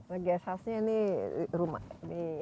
nah guest house nya ini rumah